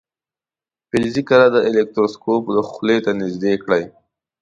فلزي کره د الکتروسکوپ خولې ته نژدې کړئ.